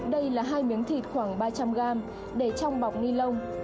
đây là hai miếng thịt khoảng ba trăm linh gram để trong bọc ni lông